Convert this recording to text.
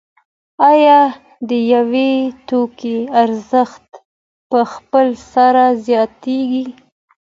آیا د یو توکي ارزښت په خپل سر زیاتېږي